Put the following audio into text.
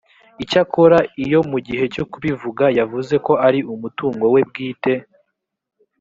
icyakora iyo mu gihe cyo kubivuga yavuze ko ari umutungo we bwite